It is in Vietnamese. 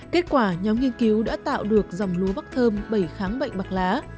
kết quả nhóm nghiên cứu đã tạo được dòng lúa vắc thơm bảy kháng bệnh bạc lá